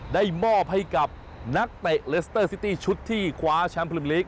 ได้มอบให้กับนักเตะเลสเตอร์ซิตี้ชุดที่คว้าแชมป์พลิมลีก